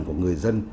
của người dân